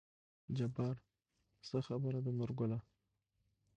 جبار : څه خبره ده نورګله